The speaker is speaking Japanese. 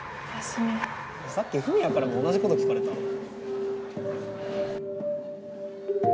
さっき史也からも同じこと聞かれた。